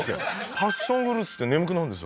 パッションフルーツって眠くなるんですよ